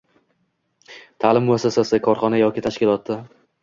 ta’lim muassasasi, korxona yoki tashkilotda